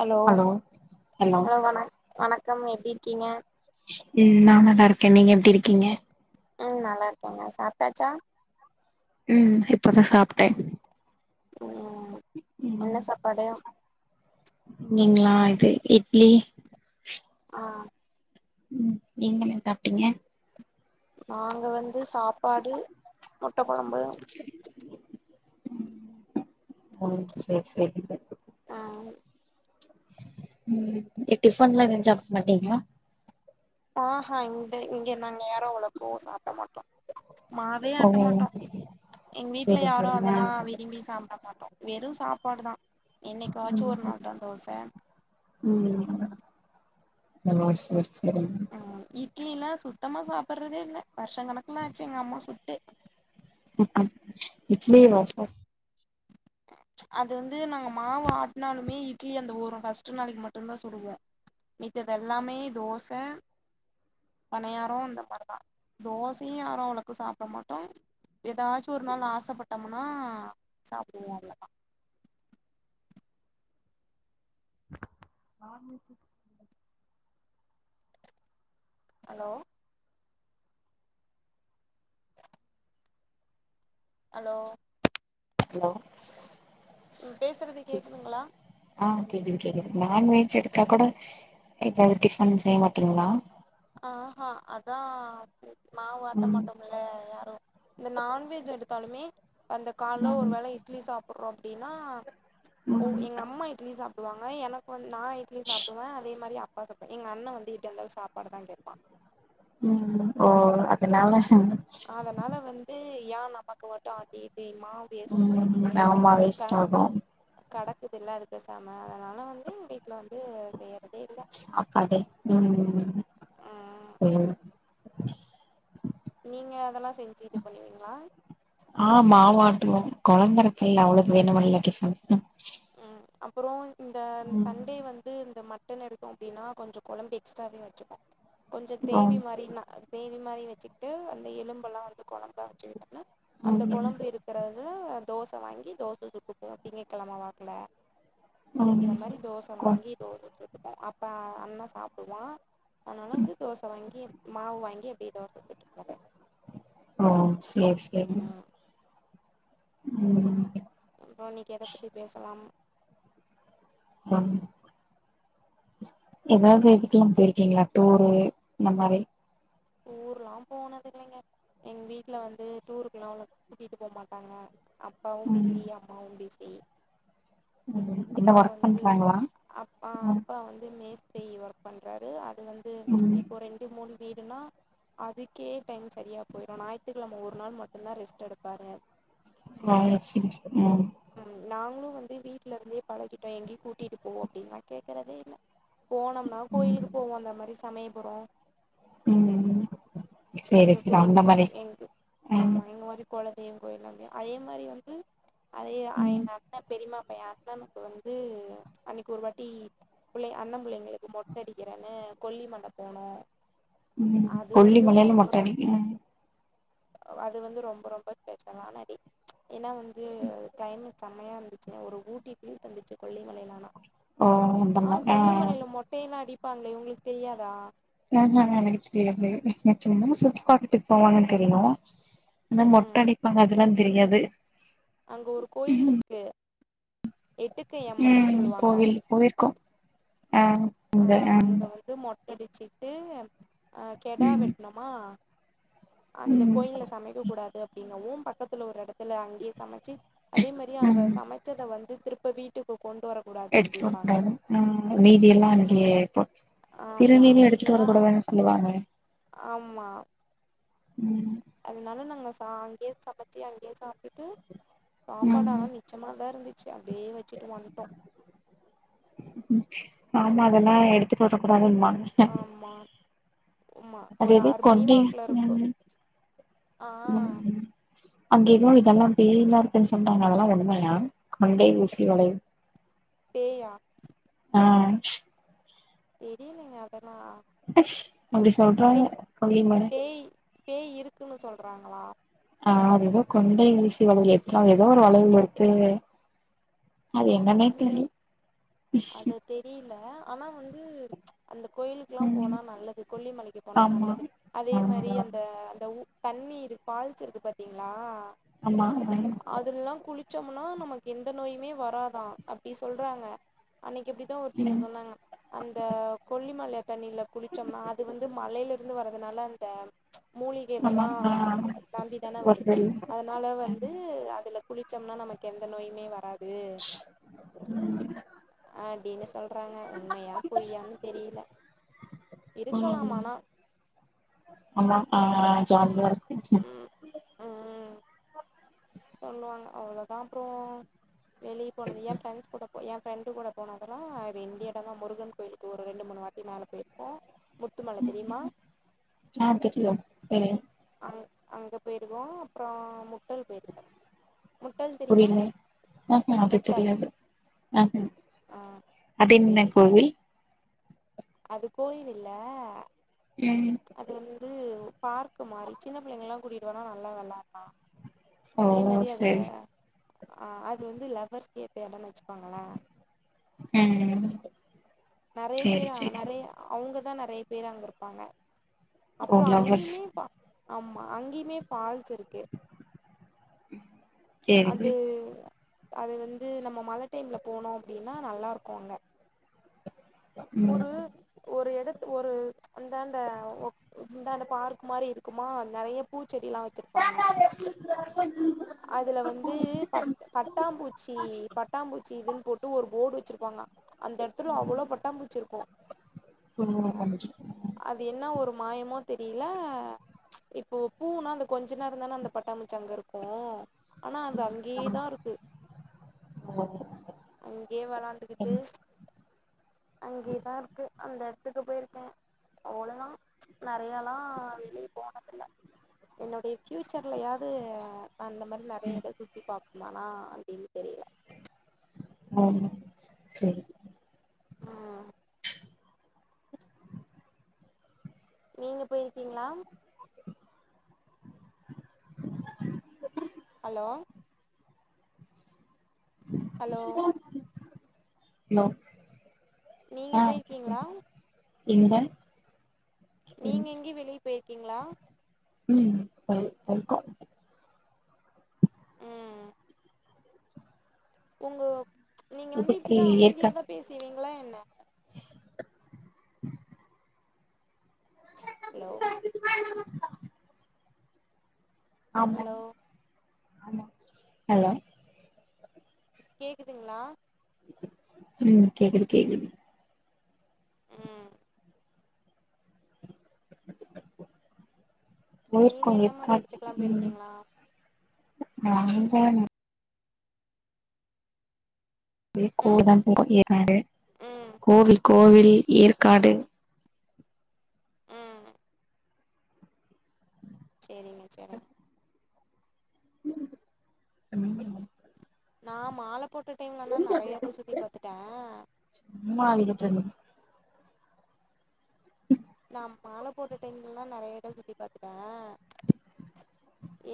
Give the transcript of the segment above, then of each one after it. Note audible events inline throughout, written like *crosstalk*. Hello hello வண வணக்கம் எப்டி இருக்கீங்க உம் நா நல்லாருக்கே நீங்க எப்டிருக்கீங்க உம் நல்லாருக்கேங்க சாப்ட்டாச்சா உம் இப்பதா சாப்பிட்டே உம் என்ன சாப்பாடு இங்கைங்களா இது இட்லி ஆ உம் நீங்க என்ன சாப்ட்டீங்க நாங்க வந்து சாப்பாடு முட்ட கொழம்பு உம் சேர் சேர்ங்க ஆ உம் நீங்க டிஃபன் எல்லா எதுவு சாப்ட மாட்டீங்களா ஆ ஹா இந்த இங்க நாங்க யாரு அவ்ளோக்கு சாப்ட மாட்டோ மாவே ஓ ஆட்ட மாட்டோ எங்க சேரி வீட்ல யாரு சேரிங்க அதெல்லா விரும்பி சாப்ட மாட்டோ வெறு சாப்பாடு தா என்னைக்காச்சு ஒரு நாள் தா தோச உம் இந்த நாய்ஸ் உம் சேரிங்க ஆ இட்லிலா சுத்தமா சாப்பறதே இல்ல வருஷ கணக்குல ஆச்சு எங்க அம்மா சுட்டு இட்லி வர்ஷோ அது வந்து நாங்க மாவு ஆட்னாலுமே இட்லி அந்த ஒரு ஃபஸ்ட் நாளு மட்டு தா சுடுவோ மித்தது எல்லாமே தோச பனியாரோ இந்த மாரி தா தோசையு யாரு அவ்ளோக்கு சாப்ட மாட்டோ எதாச்சு ஒரு நாள் ஆசைப்பட்டோமுனா சாப்புடுவோ அவ்ளோதா non veg hello hello hello பேசுறது கே கேக்குதுங்களா ஆ கேக்குது கேக்குது நான்வெஜ் எடுத்தா கூட எதாது டிஃபன் செய் மாட்டிங்ளா ஆ ஹா அதா மாவாட்ட ம் மாட்டோ இப்பெல்லா யாரு இந்த நான்வெஜ் எடுத்தாலுமே அந்த கால்ல ம் ஒருவேளை இட்லி சாப் புட்றோ அப்டின்னா ஒ ம் எங்கம்மா இட்லி சாப் ப்டுவாங்க எனக்கு வந்து நா இட்லி சாப்டுவே அதே மாரி அப்பா சாப்ப எங்கண்ணெ வந்து இட்லியாருந்தாலு சாப்பாடு தா கேப்பா ம் ஓ அதுனால அதனால வந்து ஏ நமக்கு மட்டு ஆட்டிகிட்டு மாவ் வேஸ்ட்டு ம் பண்ணிகிட்டு ஆமா வேஸ்ட் க ஆகு கடக்குதுல்ல அது பெசாம அதனால வந்து வீட்ல வந்து செய்யறதே இல்ல சாப்பாடே ம் ம் ம் சேரி நீங்க அதலா செஞ்சி இது பண்ணுவீங்ளா ஆ மாவாட்டுவோ கொழந்தருக்குல்ல அவ்ளுக்கு வேணுமில்ல டிஃபன் ம் அப்றோ இந்த ம் சண்டே வந்து இந்த மட் டன் எடுத்தோ அப்டினா கொஞ்சொ கொழம்பு எக்ஸ்ட்ராவே வச்சுப்போ கொஞ்ச ம் கிரேவி மாரினா அ கிரேவி மாரி வச்சிக்ட்டு அந்த எலும்பலா வந்து கொழம்பா வச்சுவிட்டம்னா அந்த கொழம்பு இருக் க்றதுல தோச வாங்கி தோச சுட்டுப்போ திங்க கெழம வாக்ல இந்த ம் மாரி தோச கோ வாங்கி தோச சுட்டுப்போ அப்ப அண்ணா சாப்டுவா அதனால வந்து தோச வாங்கி மாவு வாங்கி அப்டியே தோச சுட்டுப்பாங்க ஆம் சேர் சேரி ம் ம் அப்றோ இன்னக்கி எத பத்தி பேசலாம் மம் எதாது இதுக்லா போய்ருக்கீங்ளா டூரு இந்த மாரி டூர்ல்லா போனதில்லைங்க எங் வீட்ல வந்து டூருக்லா அவ்ளோ கூட்டிட்டு போமாட்டாங்க அப்பாவும் ம் பிசி அம்மாவும் பிசி ம் என்ன அப்பா ஒர்க் வந்து பண்றாங்களா அப்பா ம் அப்பா வந்து மேஸ்த்ரி ஒர்க் பண்றாரு அது வந்து ம் இப்போ ரெண்டு மூணு வீடுனா அதுக்கே டைம் சரியா போயிரு ஞாய்த்துக்கெழம ஒரு நாள் மட்டுந்தா ரெஸ்ட் எடுப்பாரு ம் ம் நாங்ளு வந்து வீட்லருந்தே பழகிட்டோ எங்கியு கூட்டிட்டுபோ அப்டின்லா கேக்கறதே இல்ல போனம்னா கோயிலுக்கு ம் போவோ அந்த மாரி சமயபுறோ ம் சேரி எங்க கோ சேரி எங்க அந்த கோ மாரி எங்க ம் ஆமா எங்க மாரி கொலதெய்வ கோயில்ல வந்து அதே மாரி வந்து அதே அ ம் எங்க அண்ணே பெரிமா பையே அண்ணனுக்கு வந்து அன்னக்கி ஒருவாட்டி புள்ளய அண்ண புள்ளைங்ளுக்கு மொட்ட அடிக்கிறன்னு கொல்லி மல போனோ ம் அது வந்து கொல்லிமலைல ரொம்ப மொட்ட ரொம் அடிக்க அது வந்து ரொம்ப ரொம்ப ஸ்பெஷல்லான டே ஏனா வந்து கிளைமெட் செம்மையாந்துச்சுங்க ஒரு ஊட்டி ஃபீல் தந்துச்சு கொல்லிமலைல ஆனா ஓ அந்த ஆ மாரி கொல்லிமலைல மொட்டைலா அடிப்பாங்ளே உங்ளுக்கு தெரியாதா அ ஆ எனக்கு தெரியாது சும்மா சுத்திப்பாத்துட்டு போவாங்கன் தெரியு ஆனா ம் மொட்டடிப்பாங்க அதுலா தெரியாது அங்க ஒரு கோயில்ருக்கு ம் கோவில் போய்ருக்கோ ஆ ஆ அங்க வந்து மொட்டடிச்சிட்டு அ கெடா ம் வெட்ணம்மா அந்த ம் கோயில்ல சமைக்க கூடாது அப்டின்னவும் பக்கத்துல ஒரு எட துல அங்கேயே சமைச்சு அதே மாரி அங்க ம் சமைச்சத வந்து திருப்ப வீட்டுக்கு கொண்டு வர கூடாது அப்டிம்பாங்க ஆ மீதி எல்லா ஆமா அங்கேயேதா ஆமா திருநீர்லா எடுத்துட்டு வர மீதியெல்லா கூடாதான சொல்லுவாங்க ஆமா ம் அதனால நாங்க சா அங்கேயே சமைச்சு அங்கேயே சாப்டுட்டு சாப்பாடு ம் ஆனா மிச் ச்சமாதா இருந்துச்சு அப்டியே வச்சுட்டு வந்ட்டோ ஆமா அங்கயே அதெலா எடுத்துட் வரகூடாதுமாங்க ஆமா ஆமா அது ஒரு எதயு ஆறு மணி கொண்டி *unintelligible* வாக்குல இருக்கு ஆ ம் ம் அங்க எதுவு இதெல்லா பேய்லா இருக்குன் சொன்னாங்க அதலா உண்மையா கொண்டை ஊசி வளைவு பேயா ஆ தெரியலேங்க அதெலா அப்டி சொல்றா பெய் பேய் பேய் இருக்குன்னு சொல்றாங்களா ஆ அது எதோ கொண்டை ஊசி வளைவுல எத்துனா எதோ ஒரு வளைவுல இருக்கு அது என்னன்னே தெரில் தெரிலே ஆனா வந்து அந்த கோயிலுக்குல்லா ம் போனா நல்லது கொல்லிமலைக்கு போனா ஆமா நல்லது அதே ஆ மாரி அந்த அந்த ஊ தண்ணி இருக் ஃபால்ஸ் இருக்கு பாத்தீங்களா *unintelligible* அதுல்லலா குளிச்சோம்னா நமக்கு எந்த நோயுமே வராதா அப்டி சொல்றாங்க அன்னைக் அப்டி தா ஒருத்தவைங்க ம் சொன்னாங்க அந்த கொல்லிமல தண்ணில குளிச்சோம்னா அது வந்து மலைல இருந்து வரதுனால இந்த மூலிகை ஆமா இதெல்லா ஆ தாண்டிதான வருது ஒரு அத னால வந்து அதுல குளிச்சோம்னா நமக்கு எந்த நோயுமே வராது அப்டின்னு சொல்றாங்க உண்மையா பொய்யான்னு தெரியல இருக்கலாம் ஆனா ஆமாம் ஆ ஜாலியாருக் ம் ம் ம் சொல்லுவாங்க அவ்வளோதா அப்றோ வெளியே போனது ஏ ஃப்ரெண்ட்ஸ் கூட எ ஃப்ரெண்டு கூட போனதெல்லா அது இந்த இடந்தா முருகன் கோயிலுக்கு ஒரு ரெண்டு மூணு வாட்டி மேல போய்ருப்போ முத்துமல தெரியுமா ஆ தெரியு தெரியு அங் அங்கே போயிருக்கோ அப்றோ முட்டல் போயிருக்கோ முட்டல் தெரியுமா புரியல ஆஹா அது முட்டல் தெரியாது ஆஹ ஆ அதென்ன சேரிங்க சேரி கோவில் அது கோயில் இல்ல ம் அது வந்து பார்க்கு மாரி சின்ன பிள்ளைங்கலல்லா கூட்டிட்டு வந்நா நல்லா வெளாடலா ஓ அதே மாரி அது சரி அ அது வந்து லவ்வர்ஸ்கேத்த எடோனு வச்சுக்கோங்கள ம் நெறைய சேரி பேர் அவ சேரி நெறைய அவங்கதா நெறைய பேர் அங்க இருப்பாங்க ஓ அப்றோ லவ்வர்ஸ் அங்கேயுமே ப ஆமா அங்கேயுமே ஃபால்ஸ் இருக்கு அந்து சேரி அது வந்து நம்ம மழ டைம்ல போனோ அப்டின்னா நல்லாருக்கு அங்க ம் ஒரு ஒரு எடத்து ஒரு அந்தாண்ட முந்தான பார்க் மாரி இருக்குமா நெறைய பூச்செடில்லா வச்சிருப்பாங்க அதுல வந்து ப பட்டாம்பூச்சி பட்டாம்பூச்சி இதுன்னு போட்டு ஒரு போர்டு வச்சிருப்பாங்க அந்த எடத்துல அவ்ளோ பட்டாம்புச்சிருக்கு அது என்ன ஒரு மாயமோ தெரியில ம்ச் இப்போ பூனா அந்த கொஞ்சு நேரந்தானே அந்த பட்டாம்பூச்சி அங்க இருக்கு ஆனா அது அங்கேயேதா இருக்கு ஓ அங்கயே வெளையாண்டுக்கிட்டு ஓ அங்கேயதா இருக்கு அந்த எடத்துக்கு போயிருக்கே அவ்வளோ தா ம்ச் நறையலா வெளியே போனதில்ல என்னுடைய ஃப்யூச்சர்லயாது அந்த மாரி நறைய எடோ சுத்தி பாப்பேனானு அப்படின்னு தெரியல ம் செரி செரி ஆ நீங்க போயிருக்கீங்களா ஹலோ ஹலோ ஹலோ நீங்க ஆ போயிருக்கீங்களா எங்க நீங்க எங்கியு வெளியே போயிருக்கீங்களா ம் போய் போயிருக்கோ ம் உங்க நீங்க வந்து இதுக்கு இப்படிதா ஏற்கா அமைதியாதா பேசவீங்களா என்ன ஹலோ ஹலோ ஆமா ஹலோ கேக்குதுங்களா உம் கேக்குது கேக்குது ஆ நீங்க போயிருகாங்க என்ன இருக்கா மாரி எடத்துக்குலா உம் போயிருக்கீங்களா நாந்தானே ம் கோத போவோ ஏற்காடு ம் கோவில் கோவில் ஏற்காடு ஆ செரிங்க செரிங்க ம் நா மால போட்ட டைம்லல்லா நறைய எடோ சுத்தி பாத்துட்டே சும்மா அழிக்கிட்டு மிஸ் ம் நா மால போட்ட டைம்லலா நறைய எடோ சுத்தி பாத்துட்டே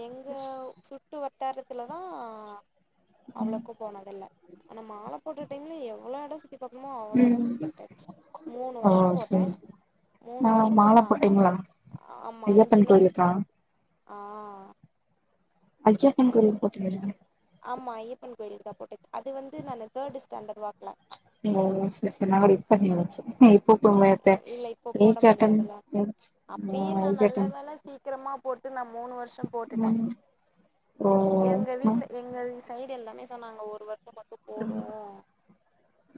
எங்க சுட்டு வட்டாரத்துல தா அவ்வளக்கு போனதில்ல ஆனா மால போட்டுட்ட டைம்ல எவ்வளோ எடோ சுத்தி பக்கனுமோ அவ்வுளோ எடோ சுத்தி பத்தாச்சு மூணு ஓ வருஷோ போட்டே சரி சரி. மூணு ஆ வருஷோ மால போட்டே ஆ போட்டீங்களா ஆமா அஞ்சு ஐயப்பன் நாள் கோயிலுக்கா ஆ அய்யப்பண் அஞ் கோயிலுக்கு போட்டிங்களா ஆமா ஐயப்பன் கோயிலுக்கு தா போட்டே அது வந்து நானு தேர்டு ஸ்டேண்டர்டு வாக்குல ஓ செரி செரி நா கூட இப்ப நெனச்ச இப்போ இல்ல இப்போ *unintelligible* போட ஏஜ் அட்டன் முடியாதுல்ல *unintelligible* அப்பயே நான் ஏஜ் நல்ல அட்டன் வேல சீக்கிரமா போட்டு நா மூணு வருஷோ போட்டுட்டே எங்க வீட்டுல எங்க சைடு எல்லாமே சொன்னாங்க ஒருவர்ஷ்ஷோ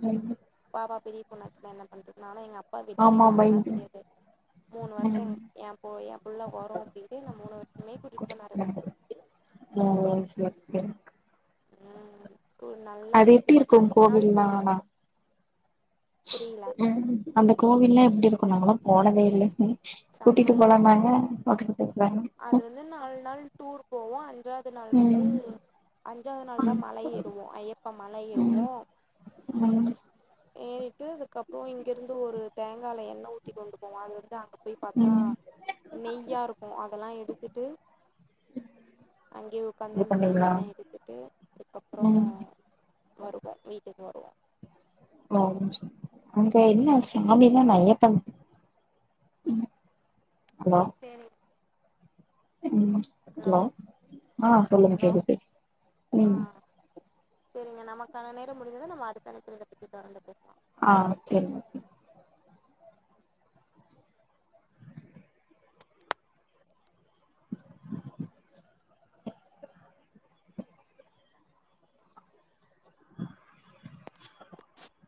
உம் உம் பாப்பா பெரிய பொன்னாச்சுன்ன என்ன பண்றது ஆனா எங்க அப்பா ஆமா விடவேல்லா அதல்லா பயந்து தெரியாது மூணு வருஷோ எ எ போ எ புள்ள வரு அப்படின்ட்டு என்ன மூணு வருஷமே கூட்டிட்டு போனாரு ஓ சேரி சேரி ஆ அது எப்டி இருக்கு கோவில்லா ஆனா புரியல ம் அந்த கோவில் எல்லா எப்டி இருக்கு நாங்களா போனதே இல்ல கூட்டிட்டி செம்மையா இருக்கும் போலானாங்க வுட்டுட்டு போயிருகாங்க அது வந்து நாலு நாள் டூர் போவோ அஞ்சாவது நாள் ம் வந்து அஞ்சாவது நாள் தா ம் மலை ஏறுவோ ஐயப்பா மலை ம் ஏறுவோ ம் ஏறிட்டு அதுக்கப்புறோ இங்கிருந்து ஒரு தேங்காய எண்ணெய் ஊத்தி கொண்டு போவோ அது வந்து அங்க போய் பாத்தா ம் நெய்யா இருக்கு அதெல்லா எடுத்துட்டு அங்கேயே உக்காந்து இது அந்த பண்ணீங்களா நெயெல்லா எடுத்துட்டு அதுக்கப்புறோ ம் வருவோ வீட்டுக்கு வருவோ மா ஒரு நிமிஷோ அங்க என்ன சாமிதான் சரி ஐயப்பன் ம் ஹலோ சேரி ம் ஹலோ ஆ சொல்லுங்க ஹலோ கேக்குது ஆ ம் சரிங்க நமக்கான நேரம் முடிஞ்சது நம் அடுத்த அழைப்புல இதப் பத்தி தொடர்ந்து பேசுலாம் ஆ செரிங்க *inaudible* *unintelligible*